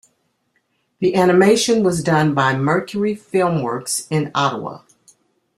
The animation was done by Mercury Filmworks in Ottawa.